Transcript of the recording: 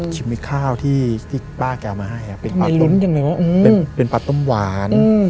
ชิมให้ข้าวที่ป้าแกเอามาให้เป็นผัดต้มหวาน